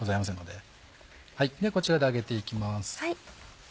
ではこちらで揚げていきます。